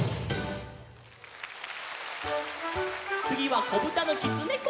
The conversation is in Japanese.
つぎは「こぶたぬきつねこ」！